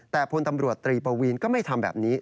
แต่พลตำรวจตรีปวีนก็ไม่ทำแบบนี้